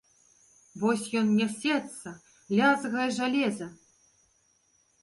Вось ён нясецца, лязгае жалеза.